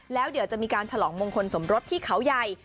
แล้วเดี๋ยวจะมีการฉลองมงคลสมรสที่เขาใหญ่